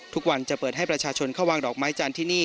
ทุกวันจะเปิดให้ประชาชนเข้าวางดอกไม้จันทร์ที่นี่